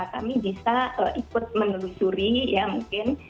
kami bisa ikut menelusuri ya mungkin